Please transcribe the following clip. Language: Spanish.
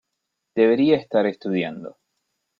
Debería estar estudiando.